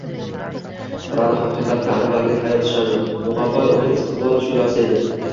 Ra’no haqiqatda Anvarning hayot sham’i, muhabbat uning istiqbol shu’lasi edi.